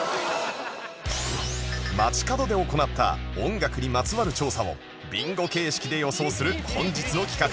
街角で行った音楽にまつわる調査をビンゴ形式で予想する本日の企画